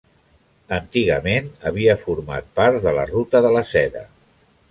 Antigament havia format part de la ruta de la Seda.